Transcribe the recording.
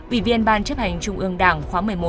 ủy viên ban chấp hành trung ương đảng khóa một mươi một